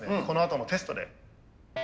このあとのテストで。